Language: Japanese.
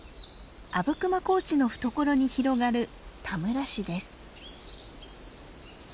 阿武隈高地の懐に広がる田村市です。